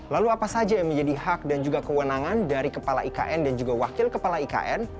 lalu apa saja yang menjadi hak dan juga kewenangan dari kepala ikn dan juga wakil kepala ikn